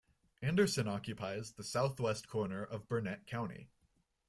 Anderson occupies the southwest corner of Burnett County.